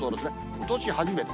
ことし初めて。